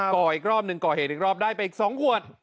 ก่ออีกรอบหนึ่งก่อเหตุอีกรอบได้ไปอีก๒ขวด